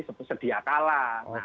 sebelumnya kembali sedia kalah